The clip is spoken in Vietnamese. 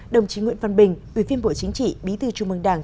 đồng chí nguyễn văn bình ủy viên bộ chính trị bí thư trung mương đảng